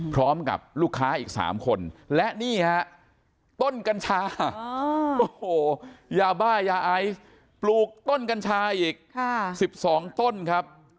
พร้อมกับลูกค้าอีก๓คนและนี่ฮะต้นกัญชาโอ้โหยาบ้ายาไอซ์ปลูกต้นกัญชาอีก๑๒ต้นครับ